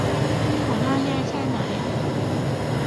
หัวหน้าแย่แค่ไหน